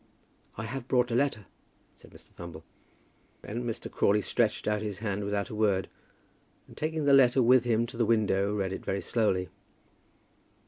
"I have brought a letter," said Mr. Thumble. Then Mr. Crawley stretched out his hand without a word, and taking the letter with him to the window, read it very slowly.